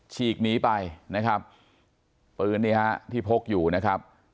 ฉีกหนีไปนะครับปืนนี่ฮะที่พกอยู่นะครับ